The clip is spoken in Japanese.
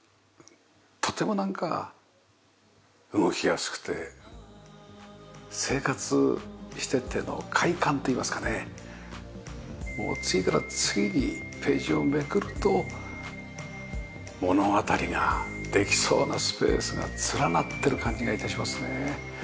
とてもなんか動きやすくて生活してての快感といいますかねもう次から次にページをめくると物語ができそうなスペースが連なってる感じが致しますね。